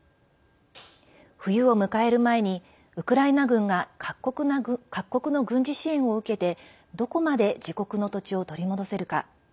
冬を迎える前に、ウクライナ軍が各国の軍事支援を受けてどこまで自国の土地を取り戻せるか。